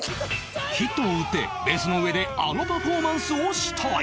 ヒットを打ってベースの上であのパフォーマンスをしたい